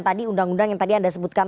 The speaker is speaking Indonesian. tadi undang undang yang tadi anda sebutkan